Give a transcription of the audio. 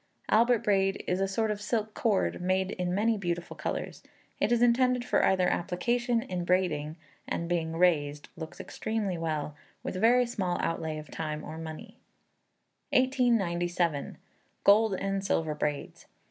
Albert braid is a sort of silk cord, made in many beautiful colours. It is intended for either application, in braiding, and being raised, looks extremely well, with very small outlay of time or money. 1897. Gold and Silver Braids.